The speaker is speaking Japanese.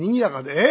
「え？